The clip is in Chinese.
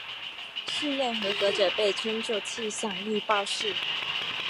试验合格者被称作气象预报士。